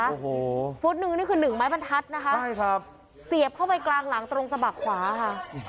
โอ้โหฟุตนึงนี่คือหนึ่งไม้บรรทัศน์นะคะใช่ครับเสียบเข้าไปกลางหลังตรงสะบักขวาค่ะ